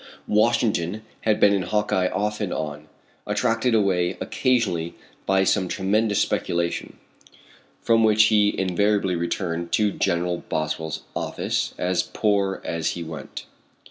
Washington had been in Hawkeye off and on, attracted away occasionally by some tremendous speculation, from which he invariably returned to Gen. Boswell's office as poor as he went.